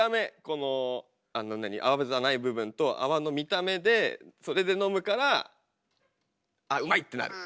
このあの何泡じゃない部分と泡の見た目でそれで飲むから「あうまい！」ってなる。